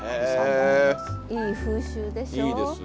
いい風習でしょ。